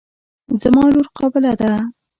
زما لور قابله ده.